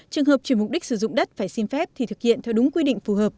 trường hợp chuyển mục đích sử dụng đất phải xin phép thì thực hiện theo đúng quy định phù hợp